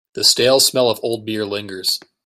The stale smell of old beer lingers.